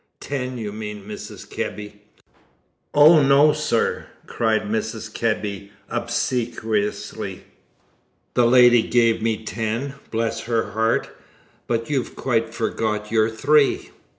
"Ten, you mean, Mrs. Kebby!" "Oh, no, sir," cried Mrs. Kebby obsequiously, "the lady gave me ten, bless her heart, but you've quite forgot your three."